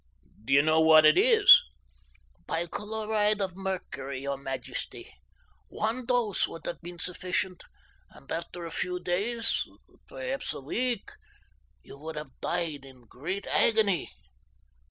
"Do you know what it is?" "Bichloride of mercury, your majesty. One dose would have been sufficient, and after a few days—perhaps a week—you would have died in great agony."